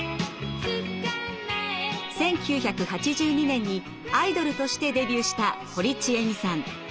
１９８２年にアイドルとしてデビューした堀ちえみさん。